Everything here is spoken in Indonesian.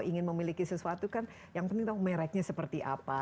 ingin memiliki sesuatu kan yang penting tahu mereknya seperti apa